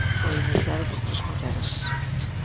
Foi iniciado por tres mulleres.